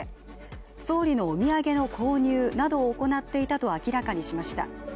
総理のお土産の購入などを行っていたと明らかにしました。